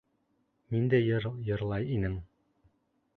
Ниндәй йыр йырлай инең?